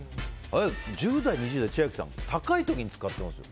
１０代、２０代は千秋さん、高い時に使ってます。